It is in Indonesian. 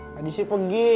tadi sih pergi